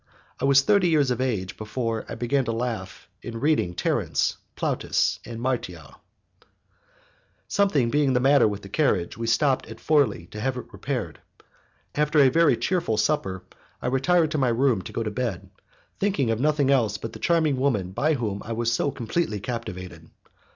I was thirty years of age before I began to laugh in reading Terence, Plautus and Martial. Something being the matter with the carriage, we stopped at Forli to have it repaired. After a very cheerful supper, I retired to my room to go to bed, thinking of nothing else but the charming woman by whom I was so completely captivated.